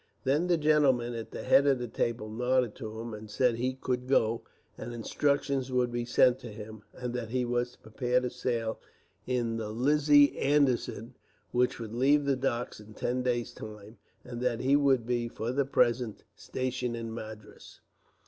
Then the gentleman at the head of the table nodded to him, and said he could go, and instructions would be sent to him, and that he was to prepare to sail in the Lizzie Anderson, which would leave the docks in ten days' time, and that he would be, for the present, stationed at Madras.